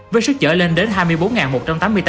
với sức chở lên đến hai mươi bốn ngày